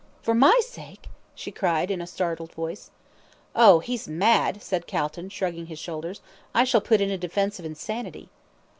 "For my sake!" she cried in a startled voice. "Oh, he's mad," said Calton, shrugging his shoulders; "I shall put in a defence of insanity."